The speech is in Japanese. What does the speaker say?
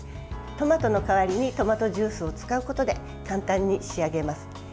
トマトの代わりにトマトジュースを使うことで簡単に仕上げます。